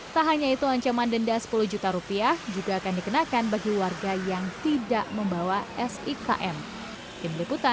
tak hanya itu ancaman denda sepuluh juta rupiah juga akan dikenakan bagi warga yang tidak membawa surat izin keluar masuk ke dki jakarta